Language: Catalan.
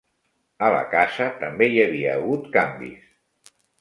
A la casa també hi havia hagut canvis